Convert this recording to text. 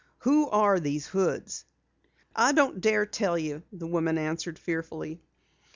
"Who are these Hoods?" "I don't dare tell you," the woman answered fearfully.